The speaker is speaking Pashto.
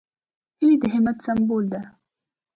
هیلۍ د همت سمبول ده